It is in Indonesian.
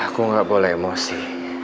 aku gak boleh emosi